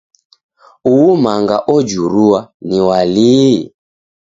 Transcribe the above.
Uu manga ojurua, ni wa lii?